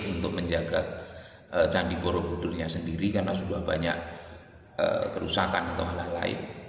untuk menjaga candi borobudurnya sendiri karena sudah banyak kerusakan atau hal hal lain